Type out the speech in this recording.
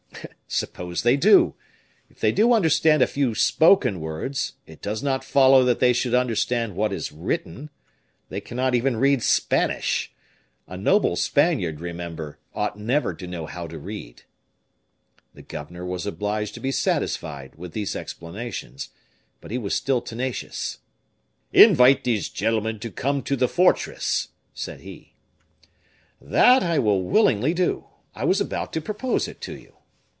"Suppose they do! If they do understand a few spoken words, it does not follow that they should understand what is written. They cannot even read Spanish. A noble Spaniard, remember, ought never to know how to read." The governor was obliged to be satisfied with these explanations, but he was still tenacious. "Invite these gentlemen to come to the fortress," said he. "That I will willingly do. I was about to propose it to you."